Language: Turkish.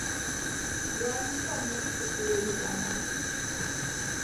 Hayalinde onların şekillerini canlandırdı.